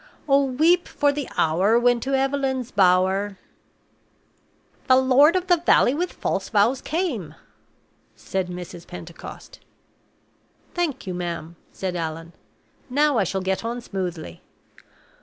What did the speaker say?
'Oh, weep for the hour when to Eveleen's Bower '" "'The lord of the valley with false vows came,'" said Mrs. Pentecost. "Thank you, ma'am," said Allan. "Now I shall get on smoothly.